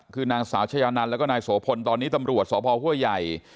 คือนางสาวชายานันแล้วก็นายโสพลตอนนี้ตำรวจสพห้วยใหญ่